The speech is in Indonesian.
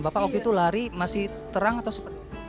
bapak waktu itu lari masih terang atau seperti apa